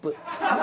何？